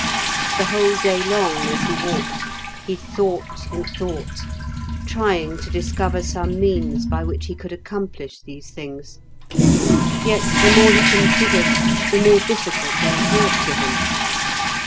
The whole day long as he walked he thought and thought, trying to discover some means by which he could accomplish these things; yet the more he considered the more difficult they appeared to him.